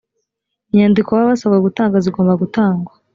inyandiko baba basabwe gutanga zigomba gutangwa.